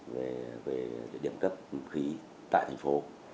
về điểm cấp khí tại thành phố